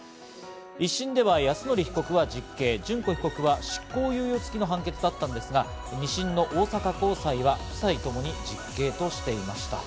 １審では泰典被告は実刑、諄子被告は執行猶予付きの判決だったんですが、２審の大阪高裁は夫妻ともに実刑としていました。